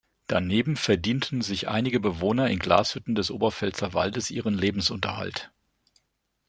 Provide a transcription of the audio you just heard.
Daneben verdienten sich einige Bewohner in Glashütten des Oberpfälzer Waldes ihren Lebensunterhalt.